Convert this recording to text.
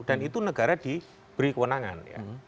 dan itu negara diberi kewenangan ya